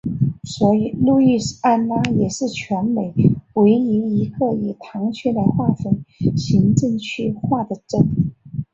所以路易斯安那也是全美唯一一个以堂区来划分行政区划的州。